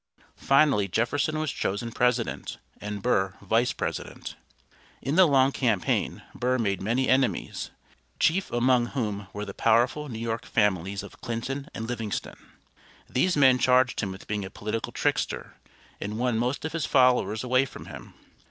Finally Jefferson was chosen President, and Burr Vice President. In the long campaign Burr made many enemies, chief among whom were the powerful New York families of Clinton and Livingston. These men charged him with being a political trickster, and won most of his followers away from him.